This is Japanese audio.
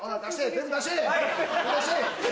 全部出しぃ！